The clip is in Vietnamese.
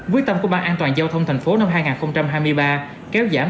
với tâm của ban an toàn giao thông thành phố năm hai nghìn hai mươi ba